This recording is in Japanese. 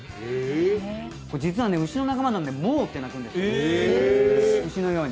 実はね、牛の仲間なんで、モーって鳴くんですよ、牛のように。